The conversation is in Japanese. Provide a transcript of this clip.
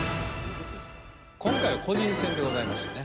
今回は個人戦でございましてね。